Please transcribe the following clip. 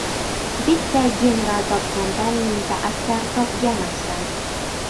• Bitta general topgandan mingta askar topgan afzal.